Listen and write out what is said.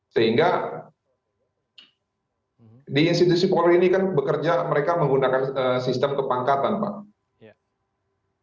sehingga di institusi polri ini kan bekerja mereka menggunakan sistem kepangkatan pak